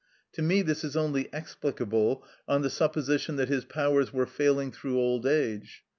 To me this is only explicable on the supposition that his powers were failing through old age.